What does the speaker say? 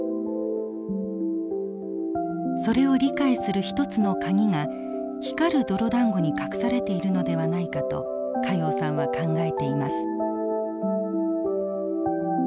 それを理解する一つの鍵が光る泥だんごに隠されているのではないかと加用さんは考えています。